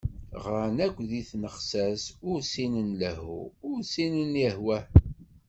Ɣran akk deg tnexsas, ur ssinen lehhu ur ssinen ihwah.